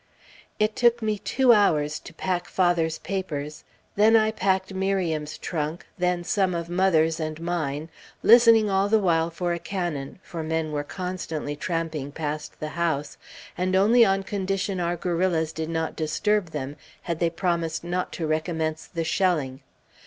It took me two hours to pack father's papers, then I packed Miriam's trunk, then some of mother's and mine, listening all the while for a cannon; for men were constantly tramping past the house, and only on condition our guerrillas did not disturb them had they promised not to recommence the shelling.